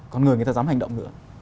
còn người người ta dám hành động nữa